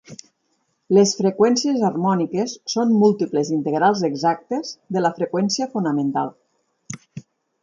Les freqüències harmòniques són múltiples integrals exactes de la freqüència fonamental.